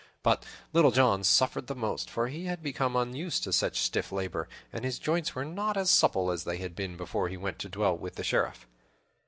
But Little John suffered the most, for he had become unused to such stiff labor, and his joints were not as supple as they had been before he went to dwell with the Sheriff.